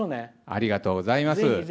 ありがとうございます。